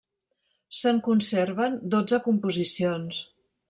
Se'n conserven dotze composicions.